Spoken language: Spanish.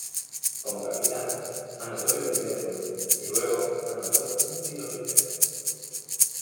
Como capitana, anotó el primer gol y luego anotó un tiro libre.